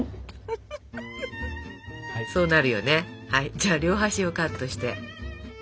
じゃあ両端をカットして。